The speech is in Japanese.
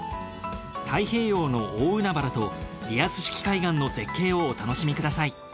太平洋の大海原とリアス式海岸の絶景をお楽しみください。